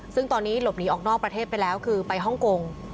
ซึ่งตอนนี้หลบหนีออกนอกประเทศไปแล้วคือไปฮ่องกง